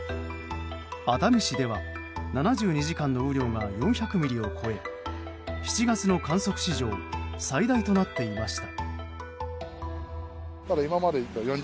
熱海市では、７２時間の雨量が４００ミリを超え７月の観測史上最大となっていました。